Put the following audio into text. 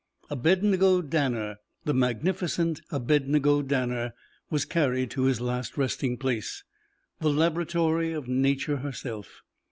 Abednego Danner, the magnificent Abednego Danner, was carried to his last resting place, the laboratory of nature herself.